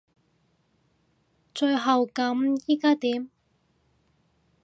最後咁依家點？